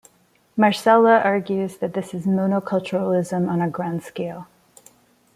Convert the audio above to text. Marsella argues that this is monoculturalism on a grand scale.